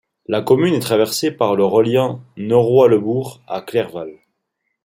La commune est traversée par la reliant Noroy-le-Bourg à Clerval.